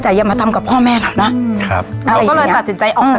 แต่อย่ามาทำกับพ่อแม่เขานะครับเราก็เลยตัดสินใจออกจาก